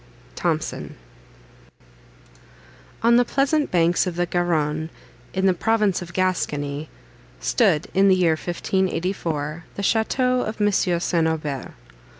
THOMSON On the pleasant banks of the Garonne, in the province of Gascony, stood, in the year 1584, the château of Monsieur St. Aubert.